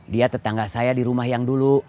dia tetangga saya di rumah yang dulu